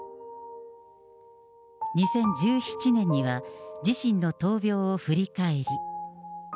２０１７年には、自身の闘病を振り返り。